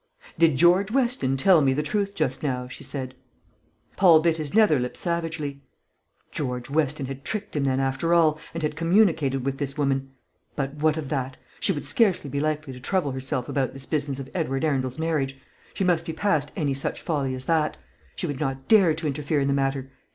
"Did George Weston tell me the truth just now?" she said. Paul bit his nether lip savagely. George Weston had tricked him, then, after all, and had communicated with this woman. But what of that? She would scarcely be likely to trouble herself about this business of Edward Arundel's marriage. She must be past any such folly as that. She would not dare to interfere in the matter.